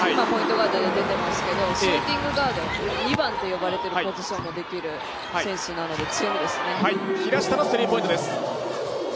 ガードで出ていますけれども、シューティングガード２番と呼ばれているポジションもできる選手なので強みですね。